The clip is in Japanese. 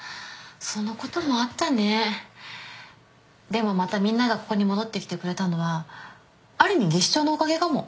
でもまたみんながここに戻ってきてくれたのはある意味技師長のおかげかも。